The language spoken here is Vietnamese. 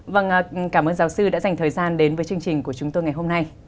vâng cảm ơn giáo sư đã dành thời gian đến với chương trình của chúng tôi ngày hôm nay